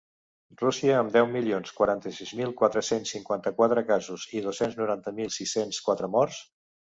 Rússia, amb deu milions quaranta-sis mil quatre-cents cinquanta-quatre casos i dos-cents noranta mil sis-cents quatre morts.